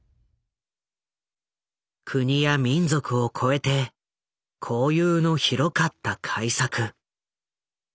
国や民族を超えて交友の広かった開作。